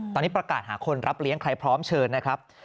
ตอนนี้ประกาศหาคนรับเลี้ยงใครพร้อมเชิญนะครับ